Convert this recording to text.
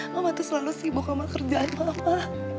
mama tuh selalu sibuk sama kerjaan mama